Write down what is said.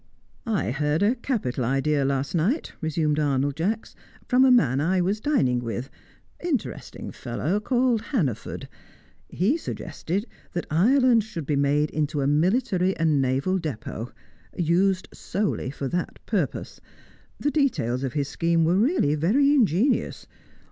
"I heard a capital idea last night," resumed Arnold Jacks, "from a man I was dining with interesting fellow called Hannaford. He suggested that Ireland should be made into a military and naval depot used solely for that purpose. The details of his scheme were really very ingenious.